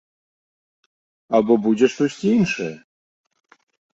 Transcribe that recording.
Або будзе штосьці іншае?